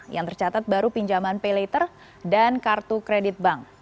yang tercatat baru pinjaman paylater dan kartu kredit bank